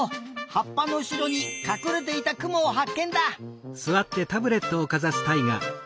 はっぱのうしろにかくれていたクモをはっけんだ！